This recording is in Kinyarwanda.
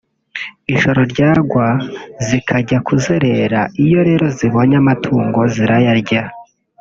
ijoro ryagwa zikajya kuzerera iyo rero zibonye amatungo zirayarya